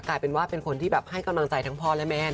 กลายเป็นว่าเป็นคนที่แบบให้กำลังใจทั้งพ่อและแม่